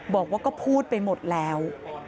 บอกว่าก็พูดไปหมดแล้ว